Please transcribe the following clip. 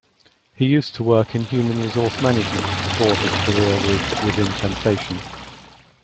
He used to work in human resource management before his career with Within Temptation.